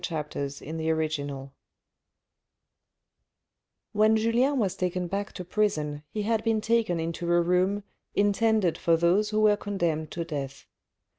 CHAPTER LXXII * When Julien was taken back to prison he had been taken into a room intended for those who were condemned to death.